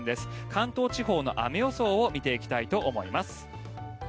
関東地方の雨予想を見ていきたいと思います。